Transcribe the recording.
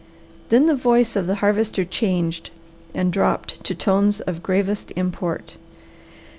Then the voice of the Harvester changed and dropped to tones of gravest import.